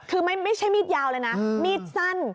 คือไม่ใช่มีดยาวเลยนะมีดสั้น